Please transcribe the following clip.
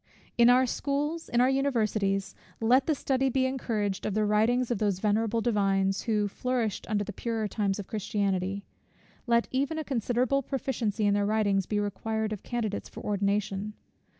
In our schools, in our universities, let the study be encouraged of the writings of those venerable divines, who flourished in the purer times of Christianity. Let even a considerable proficiency in their writings be required of candidates for ordination.